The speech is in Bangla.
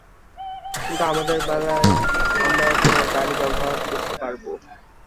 কিন্তু আমাদের বেলায়, আমরা তোমার গাড়ি ব্যবহার করতে পারব।